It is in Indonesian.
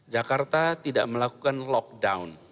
jakarta tidak melakukan lockdown